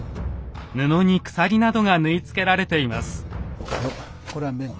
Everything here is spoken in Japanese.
布に鎖などが縫い付けられています。